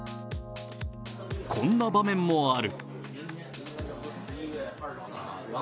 こんな場面もある。